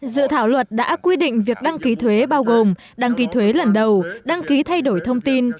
dự thảo luật đã quy định việc đăng ký thuế bao gồm đăng ký thuế lần đầu đăng ký thay đổi thông tin